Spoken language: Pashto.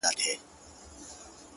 • اوس يــې آهـونـــه په واوښتـل،